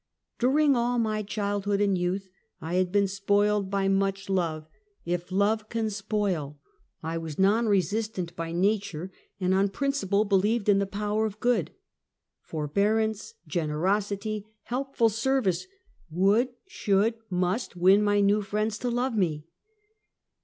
During all my childhood and youth, I had been spoiled by much love, if love can spoil. I was non resistant by nature, and on principle, believed in the power of good. Forbearance, generosity, helpful ser vice, would, should, must, win my new friends to love me.